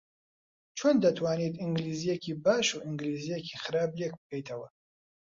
چۆن دەتوانیت ئینگلیزییەکی باش و ئینگلیزییەکی خراپ لێک بکەیتەوە؟